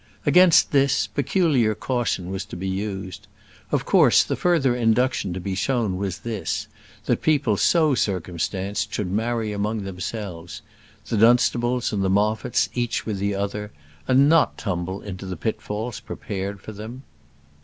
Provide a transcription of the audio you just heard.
Against this, peculiar caution was to be used. Of course, the further induction to be shown was this: that people so circumstanced should marry among themselves; the Dunstables and the Moffats each with the other, and not tumble into the pitfalls prepared for them.